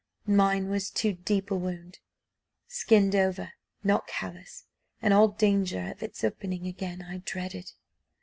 Mine was too deep a wound skinned over not callous, and all danger of its opening again I dreaded.